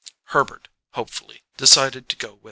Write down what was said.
Herbert hopefully decided to go with her.